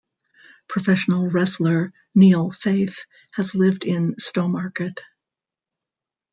Professional wrestler Neil Faith has lived in Stowmarket.